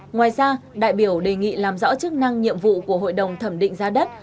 ngoài ra đại biểu đề nghị làm rõ chức năng nhiệm vụ của hội đồng thẩm định giá đất